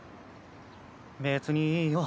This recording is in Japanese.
別にいいよ